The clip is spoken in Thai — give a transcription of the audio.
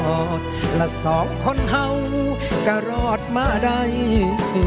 อดละสองคนเห่าก็รอดมาได้